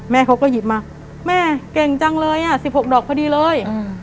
แม่เขาก็หยิบมาแม่เก่งจังเลยอ่ะ๑๖ดอกพอดีเลย